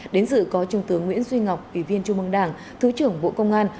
đến dự có trung tướng nguyễn duy ngọc ủy viên trung mương đảng thứ trưởng bộ công an